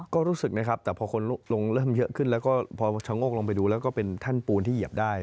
ก็รู้สึกนะครับแต่พอคนลงเริ่มเยอะขึ้นแล้วก็พอชะโงกลงไปดูแล้วก็เป็นแท่นปูนที่เหยียบได้